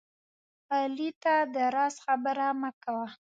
علي ته د راز خبره مه کوه